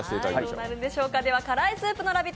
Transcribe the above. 辛いスープのラヴィット！